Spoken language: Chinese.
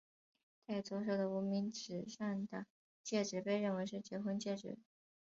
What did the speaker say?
戴左手的无名指上的戒指被认为是结婚戒指。